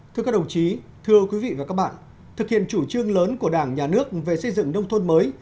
thưa các đồng chí thưa quý vị và các bạn thực hiện chủ trương lớn của đảng nhà nước về xây dựng nông thôn mới